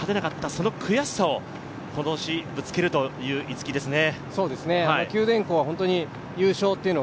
その悔しさを今年ぶつけるという逸木ですね。